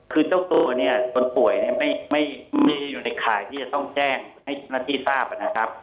คือเจ้าตัวเนี่ยคนป่วยเนี่ยไม่ได้อยู่ในข่ายที่จะต้องแจ้งให้เจ้าหน้าที่ทราบนะครับ